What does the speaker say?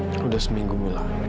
sudah seminggu mila